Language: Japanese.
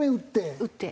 打って？